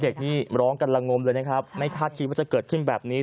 เด็กนี่ร้องกันละงมเลยนะครับไม่คาดคิดว่าจะเกิดขึ้นแบบนี้